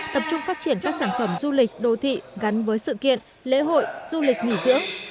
tập trung phát triển các sản phẩm du lịch đô thị gắn với sự kiện lễ hội du lịch nghỉ dưỡng